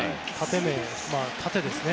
縦ですね。